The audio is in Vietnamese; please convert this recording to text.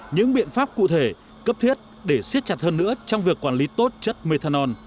những biện pháp cụ thể cấp thiết để siết chặt hơn nữa trong việc quản lý tốt chất methanol